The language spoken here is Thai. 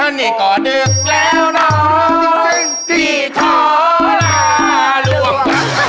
อันนี้ก็ดึกแล้วน้อยที่ขอลาร่วง